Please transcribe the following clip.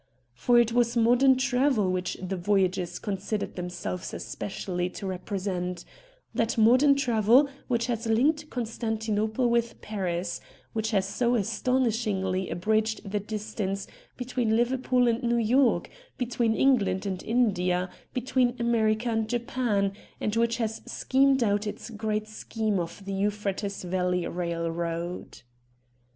For it was modern travel which the Voyagers considered themselves especially to represent — that modern travel which has linked Constantinople with Paris, which has so astonishingly abridged the distance between Liverpool and Xew York, between England and India, between America and Japan, and which has schemed out its great scheme of the Euphrates Valley railroad.